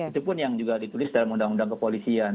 itu pun yang juga ditulis dalam undang undang kepolisian